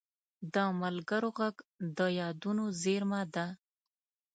د ملګرو غږ د یادونو زېرمه ده